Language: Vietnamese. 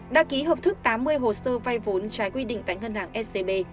đã ký hợp thức tám mươi hồ sơ vay vốn trái quy định tại ngân hàng scb